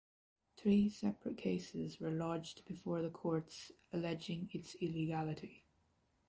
Three separate cases were lodged before the courts alleging its illegality.